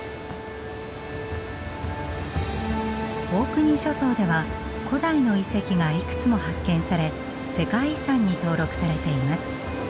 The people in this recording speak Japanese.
オークニー諸島では古代の遺跡がいくつも発見され世界遺産に登録されています。